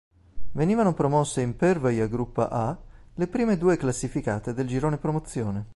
Venivano promosse in Pervaja Gruppa A le prime due classificate del girone promozione.